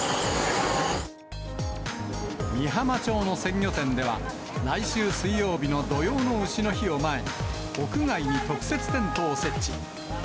美浜町の鮮魚店では、来週水曜日の土用のうしの日を前に、屋外に特設テントを設置。